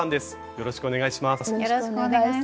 よろしくお願いします。